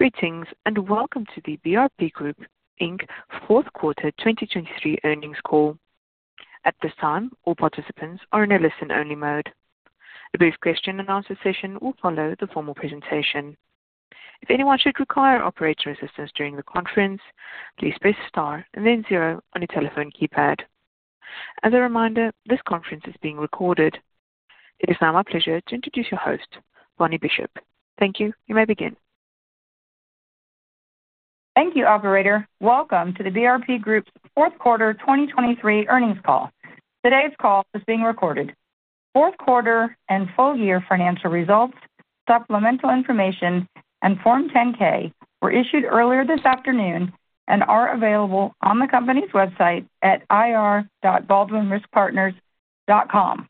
Greetings and welcome to the BRP Group, Inc., Fourth Quarter 2023 Earnings Call. At this time, all participants are in a listen-only mode. A brief question-and-answer session will follow the formal presentation. If anyone should require operator assistance during the conference, please press star and then zero on your telephone keypad. As a reminder, this conference is being recorded. It is now my pleasure to introduce your host, Bonnie Bishop. Thank you. You may begin. Thank you, operator. Welcome to the BRP Group's Fourth Quarter 2023 Earnings Call. Today's call is being recorded. Fourth quarter and full-year financial results, supplemental information, and Form 10-K were issued earlier this afternoon and are available on the company's website at ir.baldwinriskpartners.com.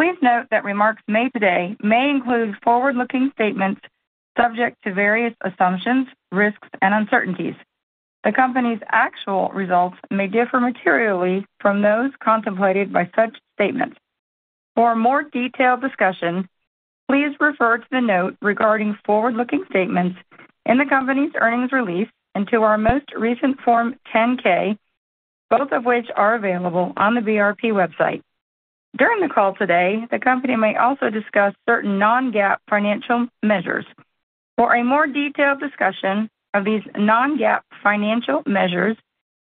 Please note that remarks made today may include forward-looking statements subject to various assumptions, risks, and uncertainties. The company's actual results may differ materially from those contemplated by such statements. For a more detailed discussion, please refer to the note regarding forward-looking statements in the company's earnings release and to our most recent Form 10-K, both of which are available on the BRP website. During the call today, the company may also discuss certain non-GAAP financial measures. For a more detailed discussion of these non-GAAP financial measures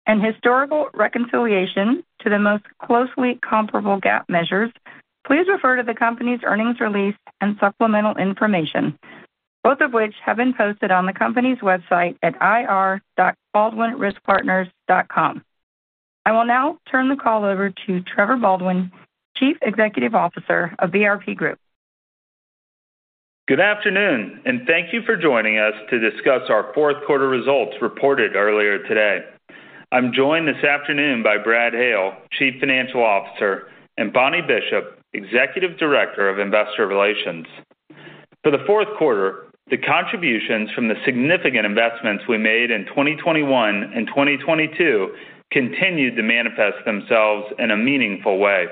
and historical reconciliation to the most closely comparable GAAP measures, please refer to the company's earnings release and supplemental information, both of which have been posted on the company's website at ir.baldwinriskpartners.com. I will now turn the call over to Trevor Baldwin, Chief Executive Officer of BRP Group. Good afternoon, and thank you for joining us to discuss our fourth quarter results reported earlier today. I'm joined this afternoon by Brad Hale, Chief Financial Officer, and Bonnie Bishop, Executive Director of Investor Relations. For the fourth quarter, the contributions from the significant investments we made in 2021 and 2022 continued to manifest themselves in a meaningful way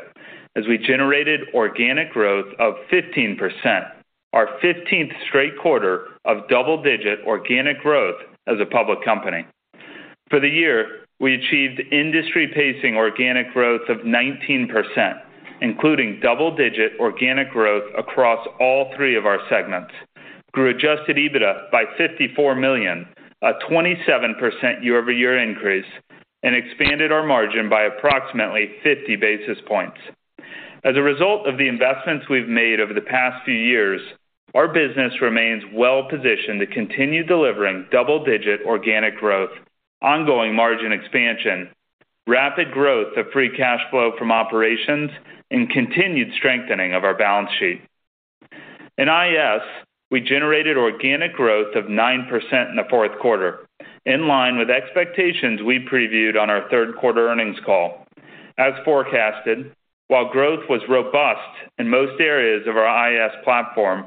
as we generated organic growth of 15%, our 15th straight quarter of double-digit organic growth as a public company. For the year, we achieved industry-pacing organic growth of 19%, including double-digit organic growth across all three of our segments, grew adjusted EBITDA by $54 million, a 27% year-over-year increase, and expanded our margin by approximately 50 basis points. As a result of the investments we've made over the past few years, our business remains well-positioned to continue delivering double-digit organic growth, ongoing margin expansion, rapid growth of free cash flow from operations, and continued strengthening of our balance sheet. In IAS, we generated organic growth of 9% in the fourth quarter, in line with expectations we previewed on our third quarter earnings call. As forecasted, while growth was robust in most areas of our IAS platform,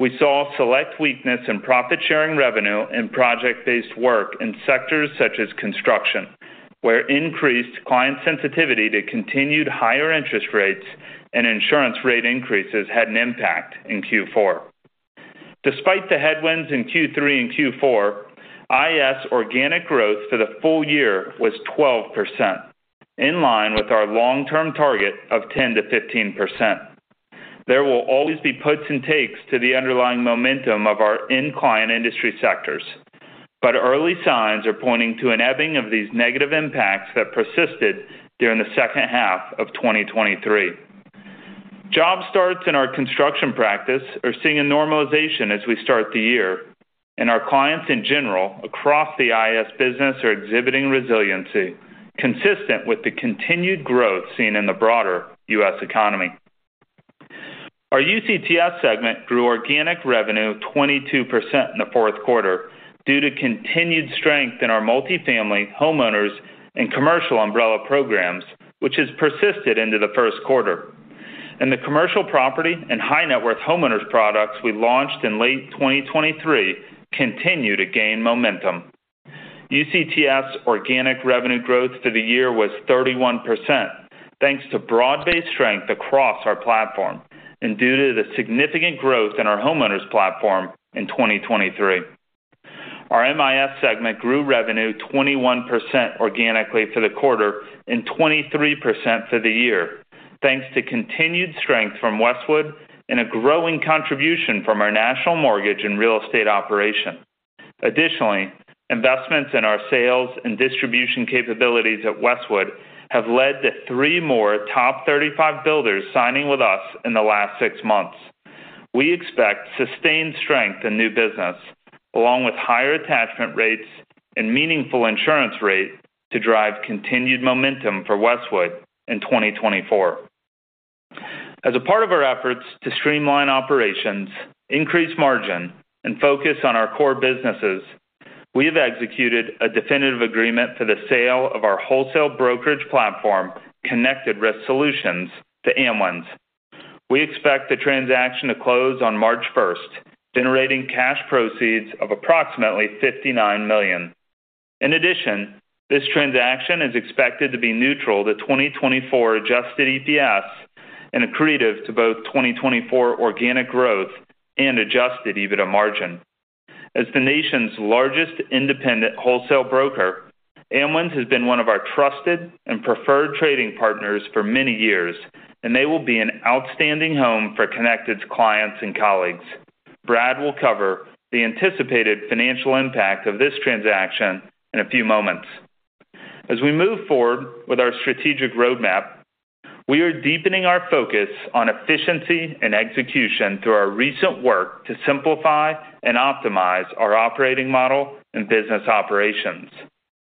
we saw select weakness in profit-sharing revenue and project-based work in sectors such as construction, where increased client sensitivity to continued higher interest rates and insurance rate increases had an impact in Q4. Despite the headwinds in Q3 and Q4, IAS organic growth for the full year was 12%, in line with our long-term target of 10%-15%. There will always be puts and takes to the underlying momentum of our in-client industry sectors, but early signs are pointing to an ebbing of these negative impacts that persisted during the second half of 2023. Job starts in our construction practice are seeing a normalization as we start the year, and our clients in general across the IAS business are exhibiting resiliency consistent with the continued growth seen in the broader U.S. economy. Our UCTS segment grew organic revenue 22% in the fourth quarter due to continued strength in our multifamily, homeowners, and commercial umbrella programs, which has persisted into the first quarter. The commercial property and high-net-worth homeowners products we launched in late 2023 continue to gain momentum. UCTS organic revenue growth for the year was 31%, thanks to broad-based strength across our platform and due to the significant growth in our homeowners platform in 2023. Our MIS segment grew revenue 21% organically for the quarter and 23% for the year, thanks to continued strength from Westwood and a growing contribution from our national mortgage and real estate operation. Additionally, investments in our sales and distribution capabilities at Westwood have led to three more top 35 builders signing with us in the last six months. We expect sustained strength in new business, along with higher attachment rates and meaningful insurance rates, to drive continued momentum for Westwood in 2024. As a part of our efforts to streamline operations, increase margin, and focus on our core businesses, we have executed a definitive agreement for the sale of our wholesale brokerage platform, Connected Risk Solutions, to Amwins. We expect the transaction to close on March 1st, generating cash proceeds of approximately $59 million. In addition, this transaction is expected to be neutral to 2024 Adjusted EPS and accretive to both 2024 organic growth and Adjusted EBITDA margin. As the nation's largest independent wholesale broker, Amwins has been one of our trusted and preferred trading partners for many years, and they will be an outstanding home for Connected's clients and colleagues. Brad will cover the anticipated financial impact of this transaction in a few moments. As we move forward with our strategic roadmap, we are deepening our focus on efficiency and execution through our recent work to simplify and optimize our operating model and business operations.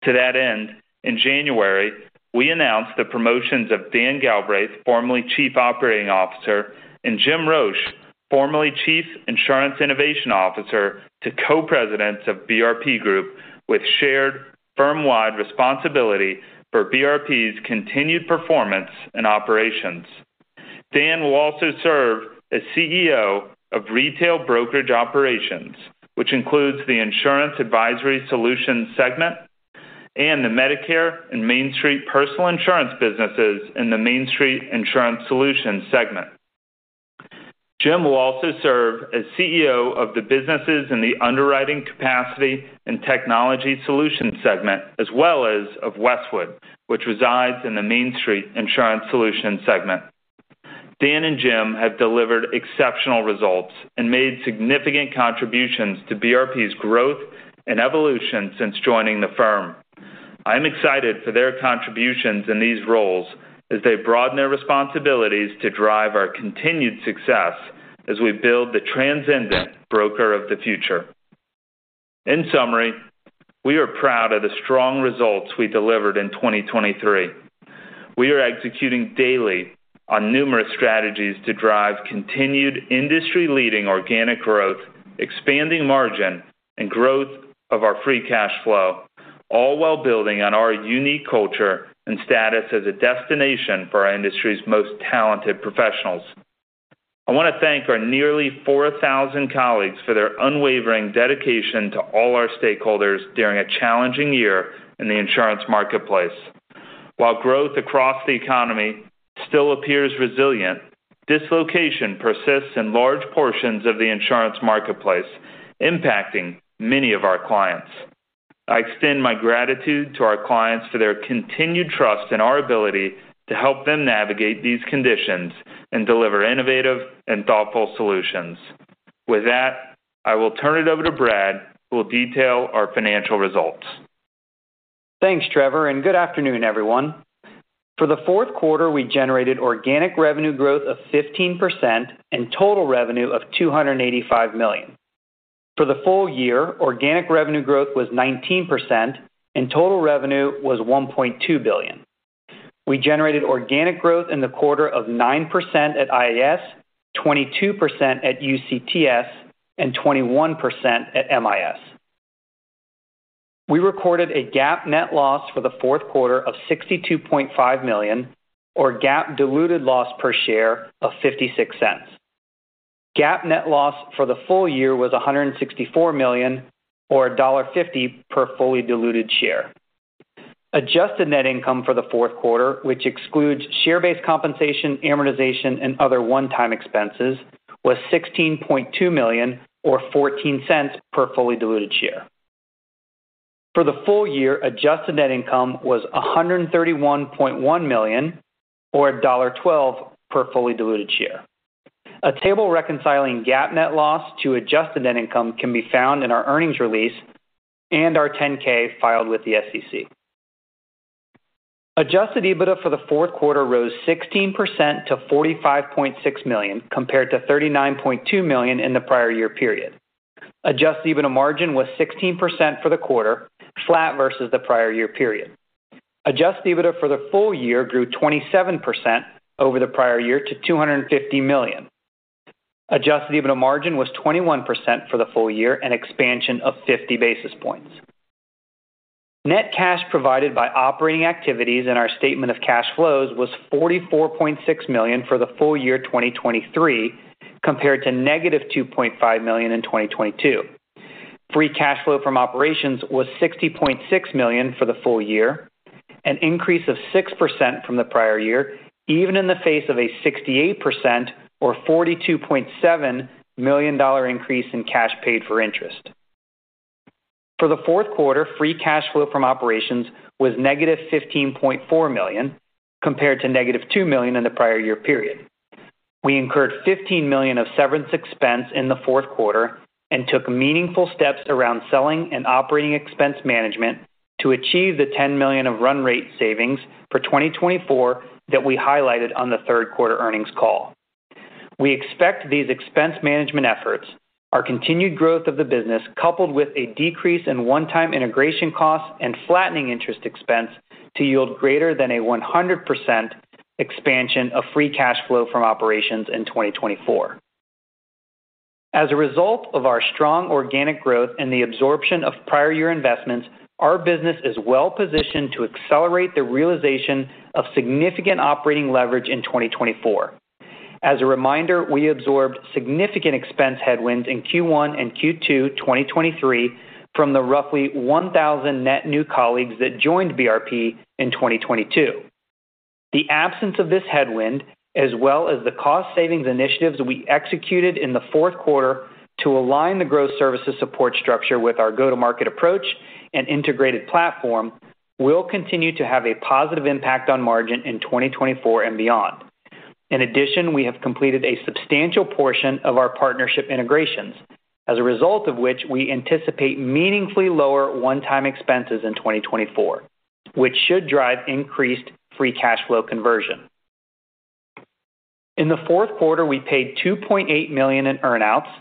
To that end, in January, we announced the promotions of Dan Galbraith, formerly Chief Operating Officer, and Jim Roche, formerly Chief Insurance Innovation Officer, to Co-Presidents of BRP Group with shared, firm-wide responsibility for BRP's continued performance and operations. Dan will also serve as CEO of Retail Brokerage Operations, which includes the Insurance Advisory Solutions segment and the Medicare and Mainstreet Personal Insurance businesses in the Mainstreet Insurance Solutions segment. Jim will also serve as CEO of the businesses in the Underwriting, Capacity, and Technology Solutions segment, as well as of Westwood, which resides in the Mainstreet Insurance Solutions segment. Dan and Jim have delivered exceptional results and made significant contributions to BRP's growth and evolution since joining the firm. I am excited for their contributions in these roles as they broaden their responsibilities to drive our continued success as we build the transcendent broker of the future. In summary, we are proud of the strong results we delivered in 2023. We are executing daily on numerous strategies to drive continued industry-leading organic growth, expanding margin, and growth of our free cash flow, all while building on our unique culture and status as a destination for our industry's most talented professionals. I want to thank our nearly 4,000 colleagues for their unwavering dedication to all our stakeholders during a challenging year in the insurance marketplace. While growth across the economy still appears resilient, dislocation persists in large portions of the insurance marketplace, impacting many of our clients. I extend my gratitude to our clients for their continued trust in our ability to help them navigate these conditions and deliver innovative and thoughtful solutions. With that, I will turn it over to Brad, who will detail our financial results. Thanks, Trevor, and good afternoon, everyone. For the fourth quarter, we generated organic revenue growth of 15% and total revenue of $285 million. For the full year, organic revenue growth was 19% and total revenue was $1.2 billion. We generated organic growth in the quarter of 9% at IAS, 22% at UCTS, and 21% at MIS. We recorded a GAAP net loss for the fourth quarter of $62.5 million, or GAAP diluted loss per share of $0.56. GAAP net loss for the full year was $164 million, or $1.50 per fully diluted share. Adjusted net income for the fourth quarter, which excludes share-based compensation, amortization, and other one-time expenses, was $16.2 million, or $0.14 per fully diluted share. For the full year, adjusted net income was $131.1 million, or $1.12 per fully diluted share. A table reconciling GAAP net loss to adjusted net income can be found in our earnings release and our 10-K filed with the SEC. Adjusted EBITDA for the fourth quarter rose 16% to $45.6 million, compared to $39.2 million in the prior year period. Adjusted EBITDA margin was 16% for the quarter, flat versus the prior year period. Adjusted EBITDA for the full year grew 27% over the prior year to $250 million. Adjusted EBITDA margin was 21% for the full year, an expansion of 50 basis points. Net cash provided by operating activities in our statement of cash flows was $44.6 million for the full year 2023, compared to -$2.5 million in 2022. Free cash flow from operations was $60.6 million for the full year, an increase of 6% from the prior year, even in the face of a 68% or $42.7 million increase in cash paid for interest. For the fourth quarter, free cash flow from operations was negative $15.4 million, compared to negative $2 million in the prior year period. We incurred $15 million of severance expense in the fourth quarter and took meaningful steps around selling and operating expense management to achieve the $10 million of run rate savings for 2024 that we highlighted on the third quarter earnings call. We expect these expense management efforts, our continued growth of the business coupled with a decrease in one-time integration costs and flattening interest expense, to yield greater than a 100% expansion of free cash flow from operations in 2024. As a result of our strong organic growth and the absorption of prior year investments, our business is well-positioned to accelerate the realization of significant operating leverage in 2024. As a reminder, we absorbed significant expense headwinds in Q1 and Q2 2023 from the roughly 1,000 net new colleagues that joined BRP in 2022. The absence of this headwind, as well as the cost savings initiatives we executed in the fourth quarter to align the growth services support structure with our go-to-market approach and integrated platform, will continue to have a positive impact on margin in 2024 and beyond. In addition, we have completed a substantial portion of our partnership integrations, as a result of which we anticipate meaningfully lower one-time expenses in 2024, which should drive increased free cash flow conversion. In the fourth quarter, we paid $2.8 million in earnouts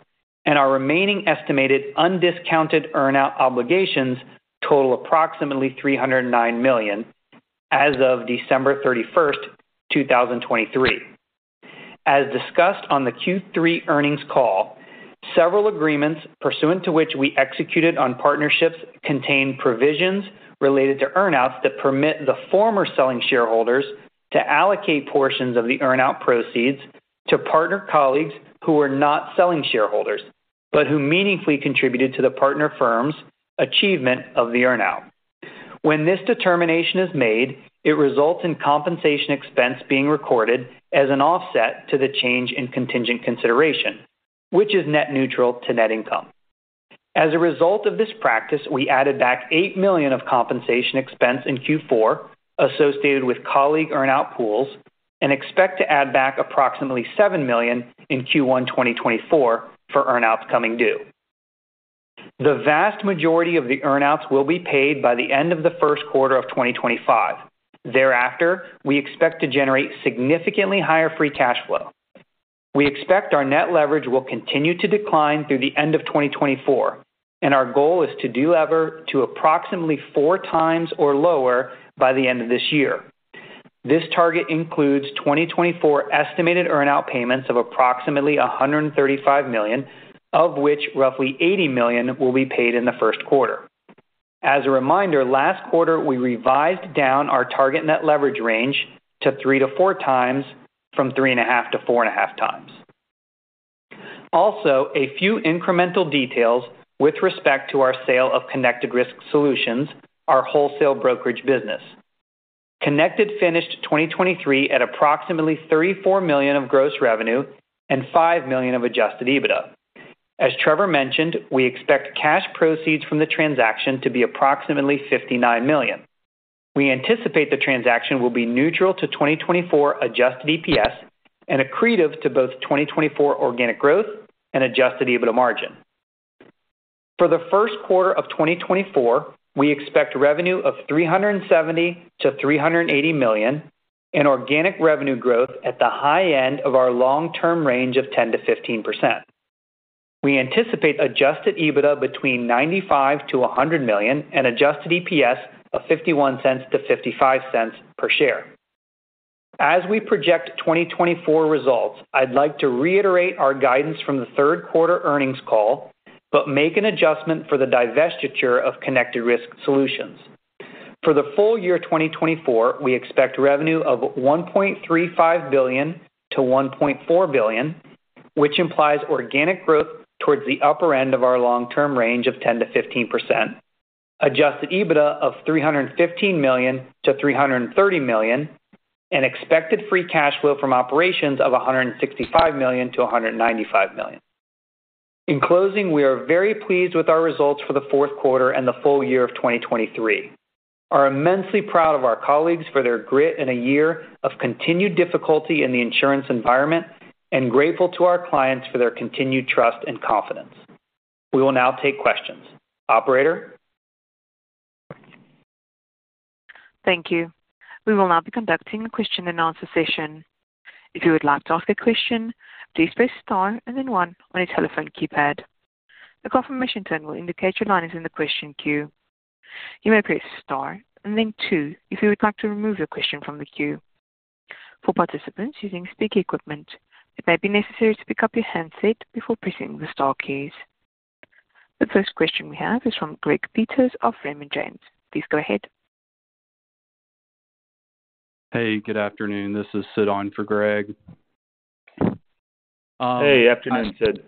and our remaining estimated undiscounted earnout obligations total approximately $309 million as of December 31st, 2023. As discussed on the Q3 earnings call, several agreements pursuant to which we executed on partnerships contain provisions related to earnouts that permit the former selling shareholders to allocate portions of the earnout proceeds to partner colleagues who were not selling shareholders but who meaningfully contributed to the partner firm's achievement of the earnout. When this determination is made, it results in compensation expense being recorded as an offset to the change in contingent consideration, which is net neutral to net income. As a result of this practice, we added back $8 million of compensation expense in Q4 associated with colleague earnout pools and expect to add back approximately $7 million in Q1 2024 for earnouts coming due. The vast majority of the earnouts will be paid by the end of the first quarter of 2025. Thereafter, we expect to generate significantly higher free cash flow. We expect our net leverage will continue to decline through the end of 2024, and our goal is to delever to approximately 4x or lower by the end of this year. This target includes 2024 estimated earnout payments of approximately $135 million, of which roughly $80 million will be paid in the first quarter. As a reminder, last quarter, we revised down our target net leverage range to 3-4x from 3.5-4.5x. Also, a few incremental details with respect to our sale of Connected Risk Solutions, our wholesale brokerage business. Connected finished 2023 at approximately $34 million of gross revenue and $5 million of adjusted EBITDA. As Trevor mentioned, we expect cash proceeds from the transaction to be approximately $59 million. We anticipate the transaction will be neutral to 2024 adjusted EPS and accretive to both 2024 organic growth and adjusted EBITDA margin. For the first quarter of 2024, we expect revenue of $370 million-$380 million and organic revenue growth at the high end of our long-term range of 10%-15%. We anticipate adjusted EBITDA between $95 million-$100 million and adjusted EPS of $0.51-$0.55 per share. As we project 2024 results, I'd like to reiterate our guidance from the third quarter earnings call but make an adjustment for the divestiture of Connected Risk Solutions. For the full year 2024, we expect revenue of $1.35 billion-$1.4 billion, which implies organic growth towards the upper end of our long-term range of 10%-15%, adjusted EBITDA of $315 million-$330 million, and expected free cash flow from operations of $165 million-$195 million. In closing, we are very pleased with our results for the fourth quarter and the full year of 2023. I'm immensely proud of our colleagues for their grit in a year of continued difficulty in the insurance environment and grateful to our clients for their continued trust and confidence. We will now take questions. Operator? Thank you. We will now be conducting a question-and-answer session. If you would like to ask a question, please press star and then one on your telephone keypad. The confirmation tone will indicate your line is in the question queue. You may press star and then two if you would like to remove your question from the queue. For participants using speaker equipment, it may be necessary to pick up your handset before pressing the star keys. The first question we have is from Greg Peters of Raymond James. Please go ahead. Hey, good afternoon. This is Sid on for Greg. Hey, afternoon, Sid.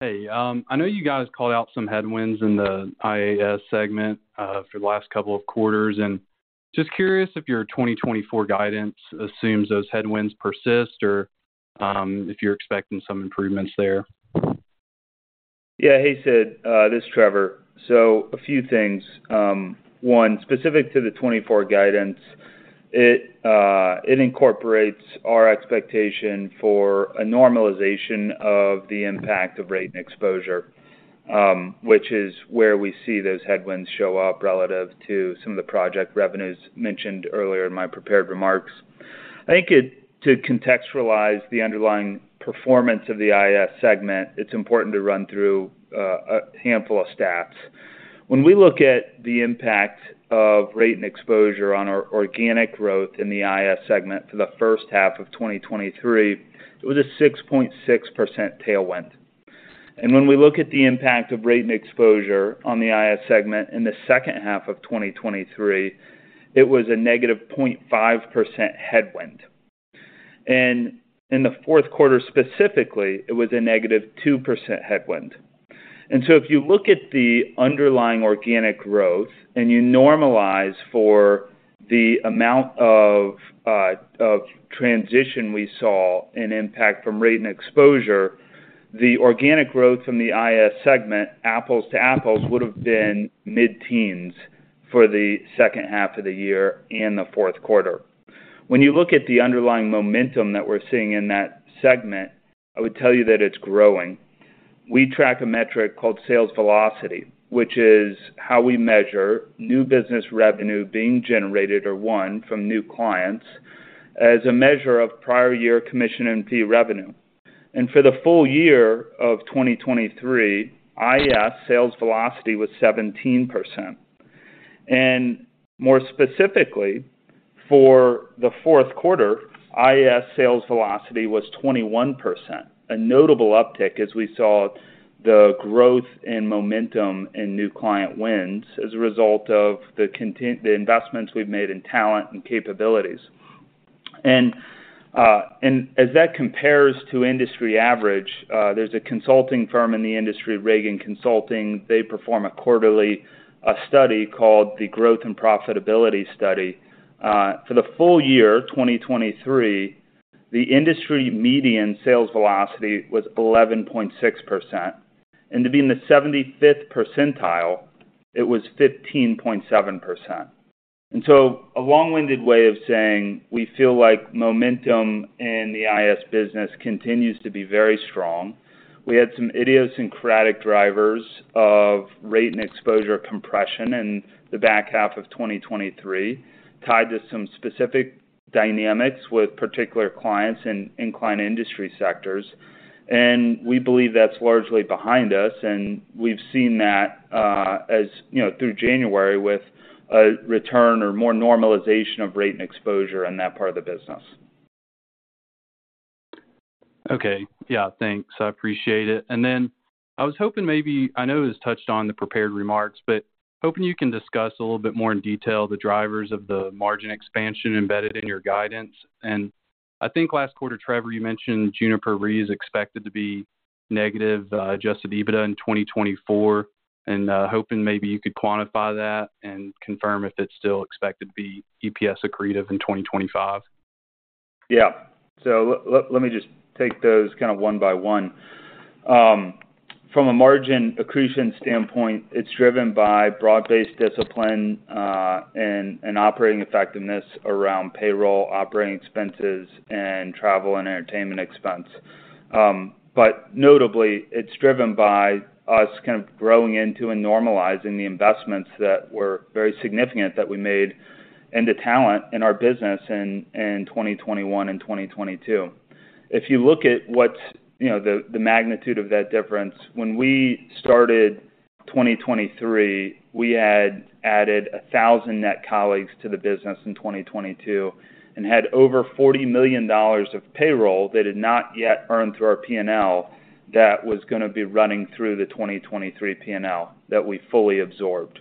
Hey. I know you guys called out some headwinds in the IAS segment for the last couple of quarters, and just curious if your 2024 guidance assumes those headwinds persist or if you're expecting some improvements there? Yeah, hey, Sid. This is Trevor. So a few things. One, specific to the 2024 guidance, it incorporates our expectation for a normalization of the impact of rate and exposure, which is where we see those headwinds show up relative to some of the project revenues mentioned earlier in my prepared remarks. I think to contextualize the underlying performance of the IAS segment, it's important to run through a handful of stats. When we look at the impact of rate and exposure on our organic growth in the IAS segment for the first half of 2023, it was a 6.6% tailwind. And when we look at the impact of rate and exposure on the IAS segment in the second half of 2023, it was a negative 0.5% headwind. And in the fourth quarter specifically, it was a negative 2% headwind. So if you look at the underlying organic growth and you normalize for the amount of transition we saw in impact from rate and exposure, the organic growth from the IAS segment, apples to apples, would have been mid-teens for the second half of the year and the fourth quarter. When you look at the underlying momentum that we're seeing in that segment, I would tell you that it's growing. We track a metric called sales velocity, which is how we measure new business revenue being generated, or won, from new clients as a measure of prior year commission and fee revenue. For the full year of 2023, IAS sales velocity was 17%. More specifically, for the fourth quarter, IAS sales velocity was 21%, a notable uptick as we saw the growth in momentum in new client wins as a result of the investments we've made in talent and capabilities. As that compares to industry average, there's a consulting firm in the industry, Reagan Consulting. They perform a quarterly study called the Growth and Profitability Study. For the full year 2023, the industry median sales velocity was 11.6%. To be in the 75th percentile, it was 15.7%. So a long-winded way of saying we feel like momentum in the IAS business continues to be very strong. We had some idiosyncratic drivers of rate and exposure compression in the back half of 2023 tied to some specific dynamics with particular clients in certain industry sectors. We believe that's largely behind us. We've seen that through January with a return or more normalization of rate and exposure in that part of the business. Okay. Yeah, thanks. I appreciate it. And then I was hoping maybe I know it was touched on in the prepared remarks, but hoping you can discuss a little bit more in detail the drivers of the margin expansion embedded in your guidance. And I think last quarter, Trevor, you mentioned Juniper Re's expected to be negative Adjusted EBITDA in 2024 and hoping maybe you could quantify that and confirm if it's still expected to be EPS accretive in 2025. Yeah. So let me just take those kind of one by one. From a margin accretion standpoint, it's driven by broad-based discipline and operating effectiveness around payroll, operating expenses, and travel and entertainment expense. But notably, it's driven by us kind of growing into and normalizing the investments that were very significant that we made into talent in our business in 2021 and 2022. If you look at the magnitude of that difference, when we started 2023, we had added 1,000 net colleagues to the business in 2022 and had over $40 million of payroll they did not yet earn through our P&L that was going to be running through the 2023 P&L that we fully absorbed.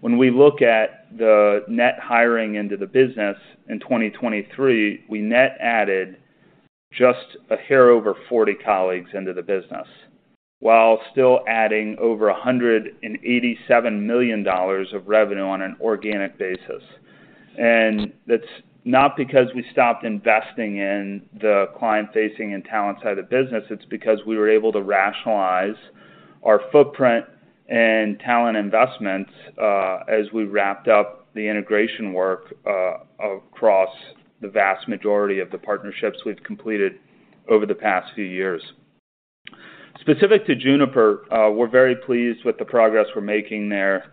When we look at the net hiring into the business in 2023, we net added just a hair over 40 colleagues into the business while still adding over $187 million of revenue on an organic basis. That's not because we stopped investing in the client-facing and talent side of the business. It's because we were able to rationalize our footprint and talent investments as we wrapped up the integration work across the vast majority of the partnerships we've completed over the past few years. Specific to Juniper, we're very pleased with the progress we're making there.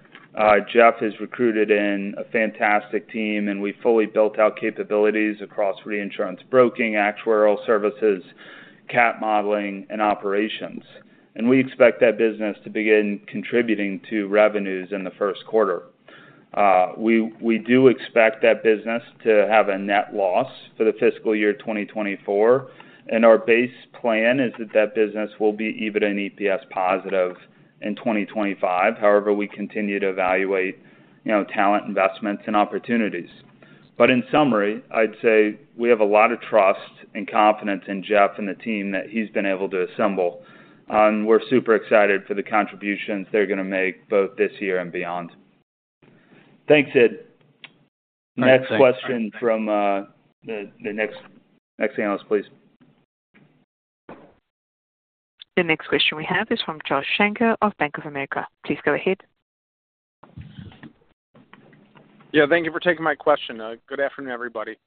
Jeff has recruited in a fantastic team, and we fully built out capabilities across reinsurance, broking, actuarial services, Cat modeling, and operations. We expect that business to begin contributing to revenues in the first quarter. We do expect that business to have a net loss for the fiscal year 2024. And our base plan is that that business will be EBITDA and EPS positive in 2025. However, we continue to evaluate talent investments and opportunities. But in summary, I'd say we have a lot of trust and confidence in Jeff and the team that he's been able to assemble. We're super excited for the contributions they're going to make both this year and beyond. Thanks, Sid. Next question from the next analyst, please. The next question we have is from Josh Shanker of Bank of America. Please go ahead. Yeah, thank you for taking my question. Good afternoon, everybody.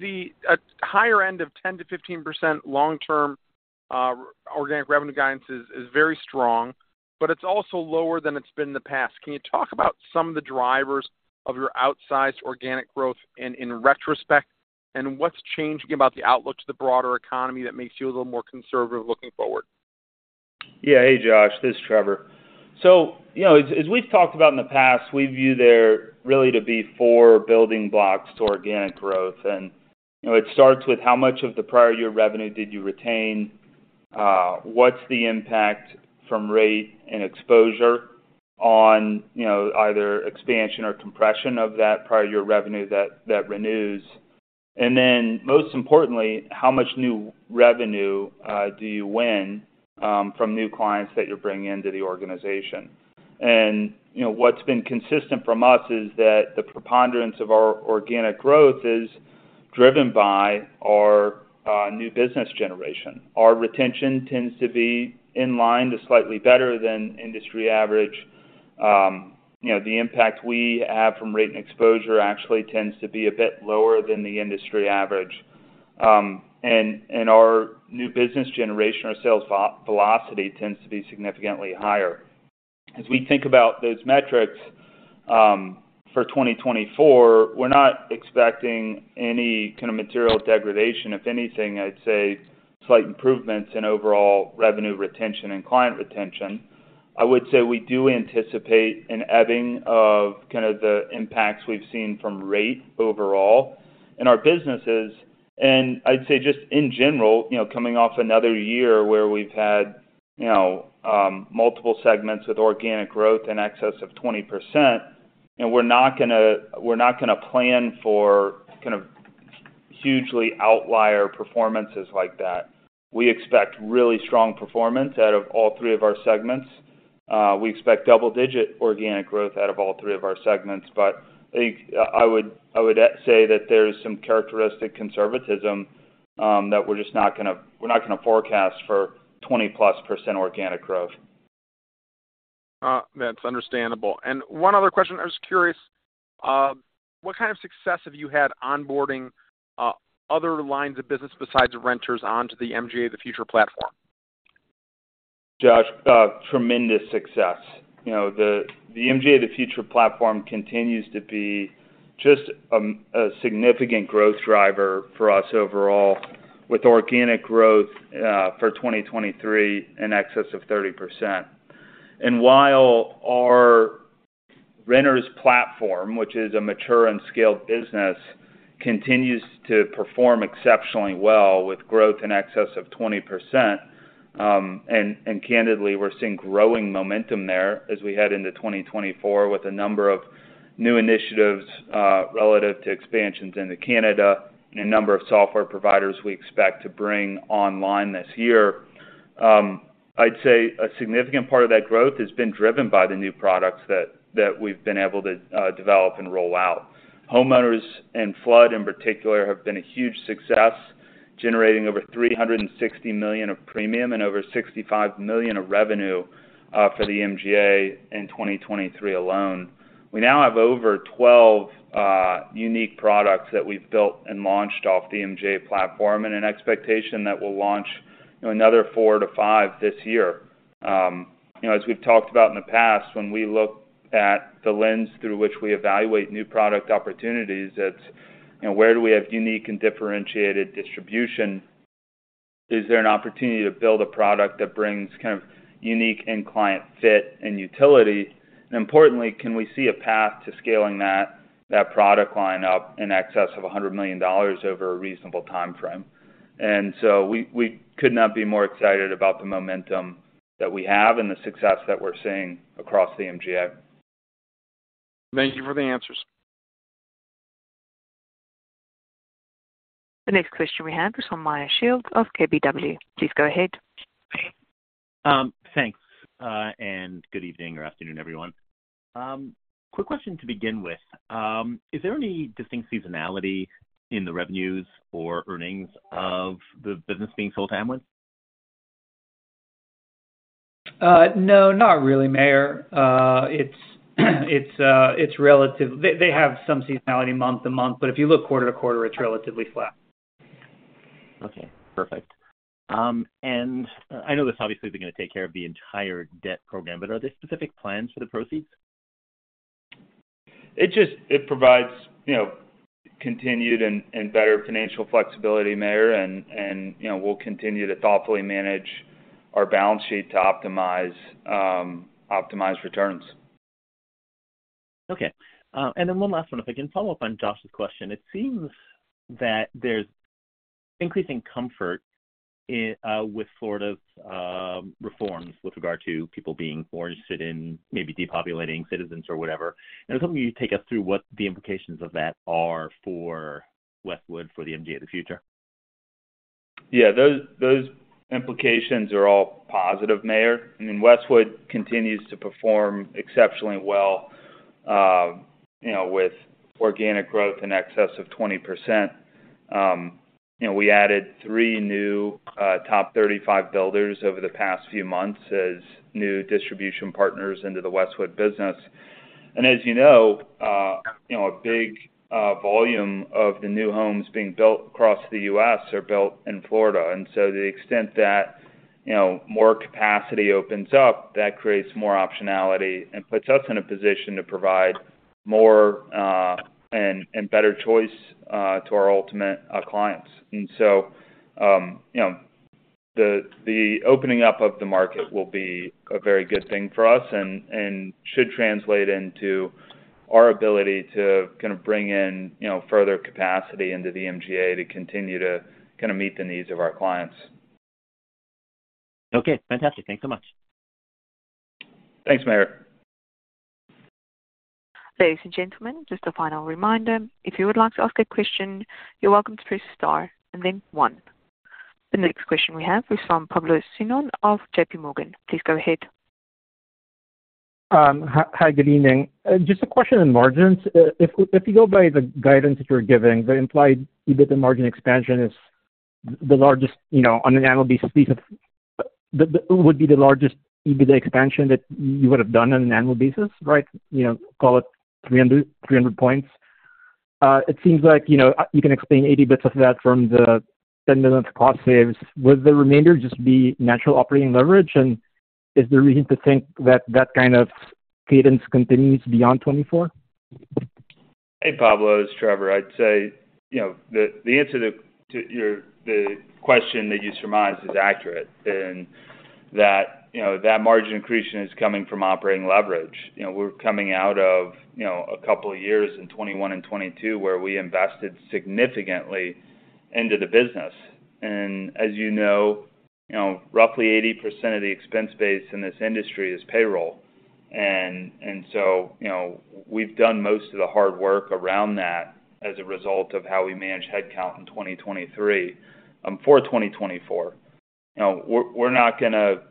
The higher end of 10%-15% long-term organic revenue guidance is very strong, but it's also lower than it's been in the past. Can you talk about some of the drivers of your outsized organic growth in retrospect and what's changing about the outlook to the broader economy that makes you a little more conservative looking forward? Yeah. Hey, Josh. This is Trevor. So as we've talked about in the past, we view there really to be four building blocks to organic growth. And it starts with how much of the prior year revenue did you retain? What's the impact from rate and exposure on either expansion or compression of that prior year revenue that renews? And then most importantly, how much new revenue do you win from new clients that you're bringing into the organization? And what's been consistent from us is that the preponderance of our organic growth is driven by our new business generation. Our retention tends to be in line to slightly better than industry average. The impact we have from rate and exposure actually tends to be a bit lower than the industry average. And our new business generation, our sales velocity, tends to be significantly higher. As we think about those metrics for 2024, we're not expecting any kind of material degradation. If anything, I'd say slight improvements in overall revenue retention and client retention. I would say we do anticipate an ebbing of kind of the impacts we've seen from rate overall in our businesses. And I'd say just in general, coming off another year where we've had multiple segments with organic growth in excess of 20%, we're not going to plan for kind of hugely outlier performances like that. We expect really strong performance out of all three of our segments. We expect double-digit organic growth out of all three of our segments. But I would say that there's some characteristic conservatism that we're just not going to forecast for 20+% organic growth. Man, it's understandable. One other question. I was curious, what kind of success have you had onboarding other lines of business besides renters onto the MGA of the Future platform? Josh, tremendous success. The MGA of the Future platform continues to be just a significant growth driver for us overall with organic growth for 2023 in excess of 30%. And while our renters platform, which is a mature and scaled business, continues to perform exceptionally well with growth in excess of 20%, and candidly, we're seeing growing momentum there as we head into 2024 with a number of new initiatives relative to expansions into Canada and a number of software providers we expect to bring online this year, I'd say a significant part of that growth has been driven by the new products that we've been able to develop and roll out. Homeowners and flood in particular have been a huge success, generating over $360 million of premium and over $65 million of revenue for the MGA in 2023 alone. We now have over 12 unique products that we've built and launched off the MGA platform in an expectation that we'll launch another 4-5 this year. As we've talked about in the past, when we look at the lens through which we evaluate new product opportunities, it's where do we have unique and differentiated distribution? Is there an opportunity to build a product that brings kind of unique and client fit and utility? And importantly, can we see a path to scaling that product line up in excess of $100 million over a reasonable time frame? And so we could not be more excited about the momentum that we have and the success that we're seeing across the MGA. Thank you for the answers. The next question we have is from Meyer Shields of KBW. Please go ahead. Thanks. Good evening or afternoon, everyone. Quick question to begin with. Is there any distinct seasonality in the revenues or earnings of the business being sold to Amwins? No, not really, Meyer. They have some seasonality month-to-month, but if you look quarter-to-quarter, it's relatively flat. Okay. Perfect. And I know this obviously isn't going to take care of the entire debt program, but are there specific plans for the proceeds? It provides continued and better financial flexibility, Meyer. We'll continue to thoughtfully manage our balance sheet to optimize returns. Okay. And then one last one. If I can follow up on Josh's question, it seems that there's increasing comfort with Florida's reforms with regard to people being more interested in maybe depopulating Citizens or whatever. And, if so, you could take us through what the implications of that are for Westwood, for the MGA of the Future? Yeah. Those implications are all positive, Meyer. I mean, Westwood continues to perform exceptionally well with organic growth in excess of 20%. We added three new top 35 builders over the past few months as new distribution partners into the Westwood business. And as you know, a big volume of the new homes being built across the U.S. are built in Florida. And so to the extent that more capacity opens up, that creates more optionality and puts us in a position to provide more and better choice to our ultimate clients. And so the opening up of the market will be a very good thing for us and should translate into our ability to kind of bring in further capacity into the MGA to continue to kind of meet the needs of our clients. Okay. Fantastic. Thanks so much. Thanks, Meyer. Ladies and gentlemen, just a final reminder. If you would like to ask a question, you're welcome to press star and then one. The next question we have is from Pablo Singzon of JP Morgan. Please go ahead. Hi. Good evening. Just a question on margins. If you go by the guidance that you're giving, the implied EBITDA margin expansion is the largest on an annual basis, which would be the largest EBITDA expansion that you would have done on an annual basis, right? Call it 300 points. It seems like you can explain 80 basis points of that from the $10 million of cost saves. Would the remainder just be natural operating leverage? And is there a reason to think that that kind of cadence continues beyond 2024? Hey, Pablo. It's Trevor. I'd say the answer to your, the question that you surmised is accurate in that that margin accretion is coming from operating leverage. We're coming out of a couple of years in 2021 and 2022 where we invested significantly into the business. And as you know, roughly 80% of the expense base in this industry is payroll. And so we've done most of the hard work around that as a result of how we manage headcount in 2023 for 2024. We're not going to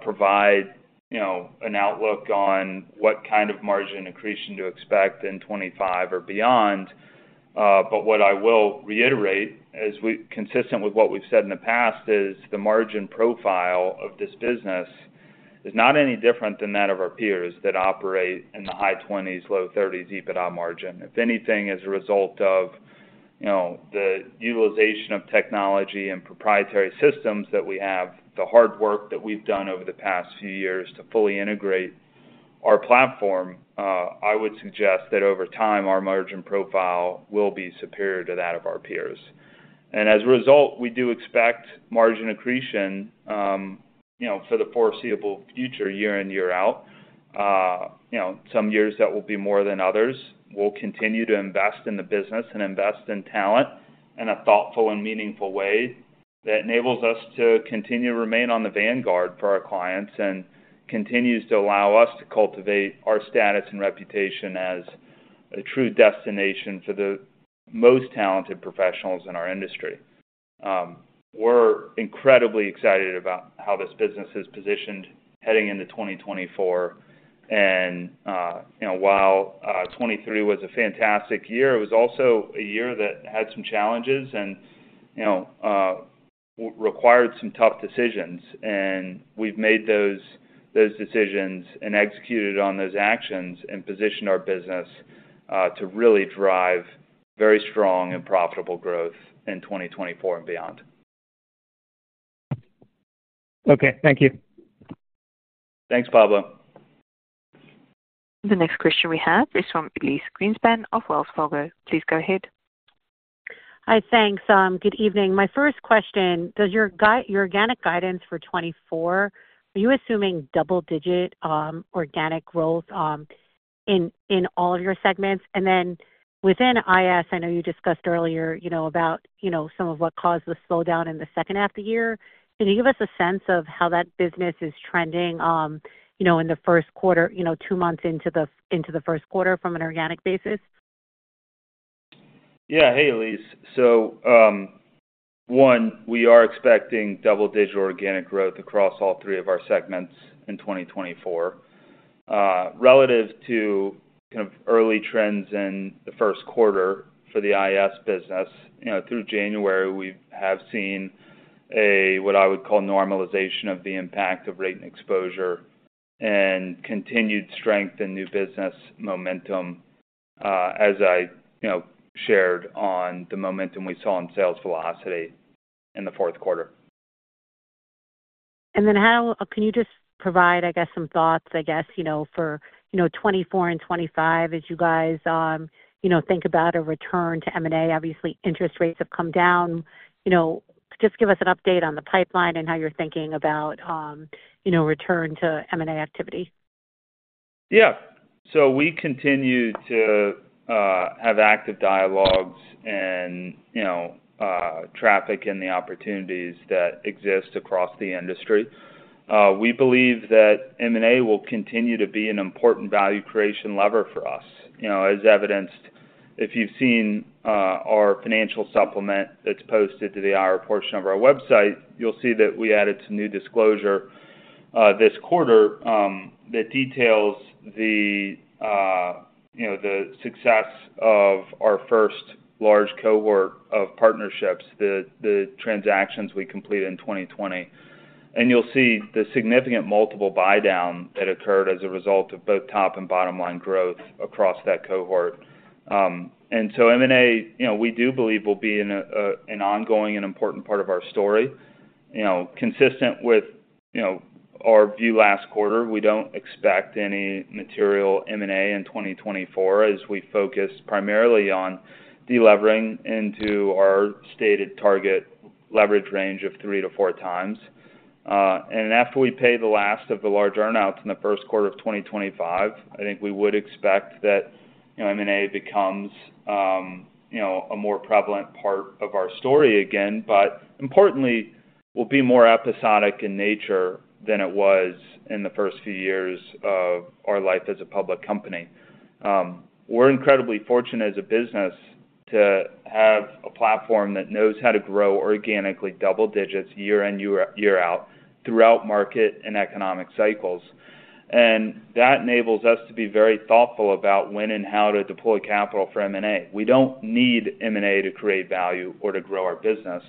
provide an outlook on what kind of margin accretion to expect in 2025 or beyond. But what I will reiterate as consistent with what we've said in the past is the margin profile of this business is not any different than that of our peers that operate in the high 20s-low 30s EBITDA margin. If anything, as a result of the utilization of technology and proprietary systems that we have, the hard work that we've done over the past few years to fully integrate our platform, I would suggest that over time, our margin profile will be superior to that of our peers. As a result, we do expect margin accretion for the foreseeable future year in, year out. Some years that will be more than others. We'll continue to invest in the business and invest in talent in a thoughtful and meaningful way that enables us to continue to remain on the vanguard for our clients and continues to allow us to cultivate our status and reputation as a true destination for the most talented professionals in our industry. We're incredibly excited about how this business is positioned heading into 2024. While 2023 was a fantastic year, it was also a year that had some challenges and required some tough decisions. We've made those decisions and executed on those actions and positioned our business to really drive very strong and profitable growth in 2024 and beyond. Okay. Thank you. Thanks, Pablo. The next question we have is from Elyse Greenspan of Wells Fargo. Please go ahead. Hi. Thanks. Good evening. My first question, does your organic guidance for 2024 are you assuming double-digit organic growth in all of your segments? And then within IS, I know you discussed earlier about some of what caused the slowdown in the second half of the year. Can you give us a sense of how that business is trending in the first quarter, two months into the first quarter from an organic basis? Yeah. Hey, Elyse. So one, we are expecting double-digit organic growth across all three of our segments in 2024 relative to kind of early trends in the first quarter for the IAS business. Through January, we have seen a what I would call normalization of the impact of rate and exposure and continued strength in new business momentum, as I shared on the momentum we saw in sales velocity in the fourth quarter. And then can you just provide, I guess, some thoughts, I guess, for 2024 and 2025 as you guys think about a return to M&A? Obviously, interest rates have come down. Just give us an update on the pipeline and how you're thinking about return to M&A activity. Yeah. So we continue to have active dialogues and traffic in the opportunities that exist across the industry. We believe that M&A will continue to be an important value creation lever for us. As evidenced, if you've seen our financial supplement that's posted to the IR portion of our website, you'll see that we added some new disclosure this quarter that details the success of our first large cohort of partnerships, the transactions we completed in 2020. And you'll see the significant multiple buy-down that occurred as a result of both top and bottom-line growth across that cohort. And so M&A, we do believe, will be an ongoing and important part of our story. Consistent with our view last quarter, we don't expect any material M&A in 2024 as we focus primarily on delevering into our stated target leverage range of 3-4 times. After we pay the last of the large earnouts in the first quarter of 2025, I think we would expect that M&A becomes a more prevalent part of our story again. But importantly, we'll be more episodic in nature than it was in the first few years of our life as a public company. We're incredibly fortunate as a business to have a platform that knows how to grow organically double digits year in, year out throughout market and economic cycles. And that enables us to be very thoughtful about when and how to deploy capital for M&A. We don't need M&A to create value or to grow our business.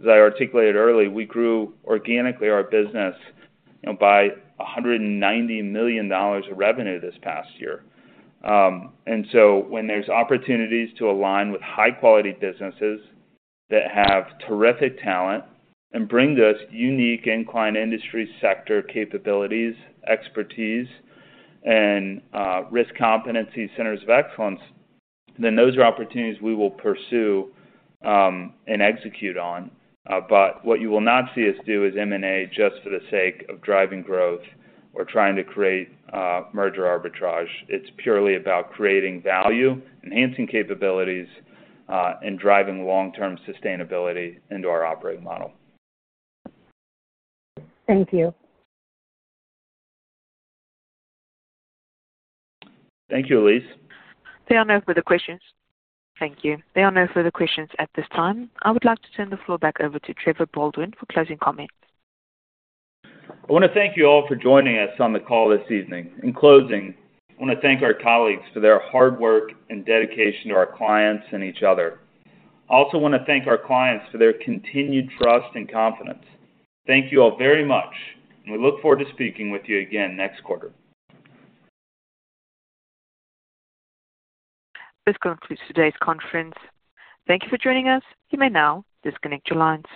As I articulated early, we grew organically our business by $190 million of revenue this past year. So when there's opportunities to align with high-quality businesses that have terrific talent and bring those unique in-line industry sector capabilities, expertise, and risk competency centers of excellence, then those are opportunities we will pursue and execute on. But what you will not see us do is M&A just for the sake of driving growth or trying to create merger arbitrage. It's purely about creating value, enhancing capabilities, and driving long-term sustainability into our operating model. Thank you. Thank you, Elyse. That concludes the questions. Thank you. That concludes the questions at this time. I would like to turn the floor back over to Trevor Baldwin for closing comments. I want to thank you all for joining us on the call this evening. In closing, I want to thank our colleagues for their hard work and dedication to our clients and each other. I also want to thank our clients for their continued trust and confidence. Thank you all very much. We look forward to speaking with you again next quarter. This concludes today's conference. Thank you for joining us. You may now disconnect your lines.